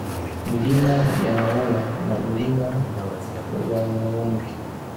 Milima ya Maula na Mlima wa Mavumbi